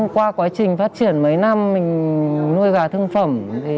qua quá trình phát triển mấy năm mình nuôi gà thương phẩm